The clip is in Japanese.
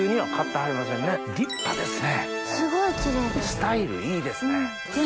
スタイルいいですね。